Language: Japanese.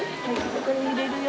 ここに入れるよ。